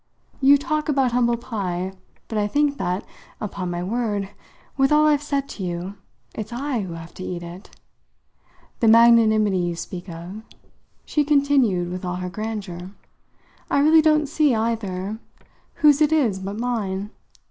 You talk about humble pie, but I think that, upon my word with all I've said to you it's I who have had to eat it. The magnanimity you speak of," she continued with all her grandeur "I really don't see, either, whose it is but mine.